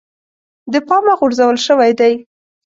د پامه غورځول شوی دی.